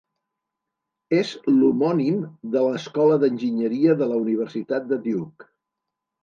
És l'homònim de l'Escola d'Enginyeria de la Universitat de Duke.